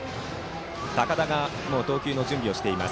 高田がもう投球準備をしています。